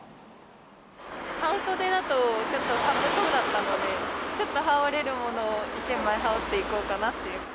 半袖だとちょっと寒そうだったので、ちょっと羽織れるものを一枚羽織っていこうかなっていう。